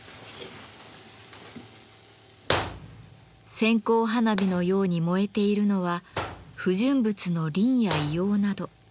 線香花火のように燃えているのは不純物のリンや硫黄など。